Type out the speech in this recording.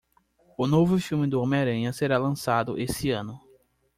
O novo filme do Homem-Aranha será lançado esse ano.